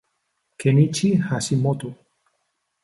Kenichi Hashimoto